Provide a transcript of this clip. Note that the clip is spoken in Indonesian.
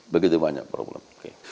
begitu banyak problem